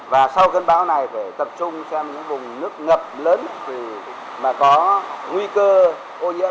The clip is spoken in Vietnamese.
và sau cơn bão này phải tập trung xem những vùng nước ngập lớn mà có nguy cơ ô nhiễm